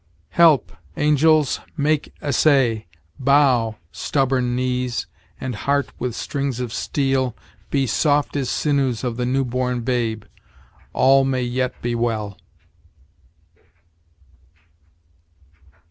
"Help, angels, make assay! Bow, stubborn knees! and heart with strings of steel, Be soft as sinews of the new born babe: All may yet be well!"